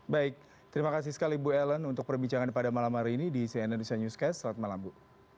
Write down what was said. baik terima kasih sekali bu ellen untuk perbincangan pada malam hari ini di cnn indonesia newscast selamat malam bu